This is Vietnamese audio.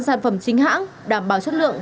sản phẩm chính hãng đảm bảo chất lượng